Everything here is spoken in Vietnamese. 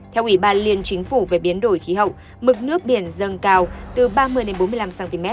theo ủy ban liên chính phủ về biến đổi khí hậu mực nước biển dâng cao từ ba mươi bốn mươi năm cm